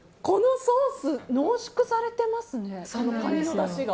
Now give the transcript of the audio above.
このソース濃縮されていますね